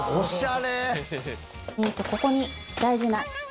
ここに大事な。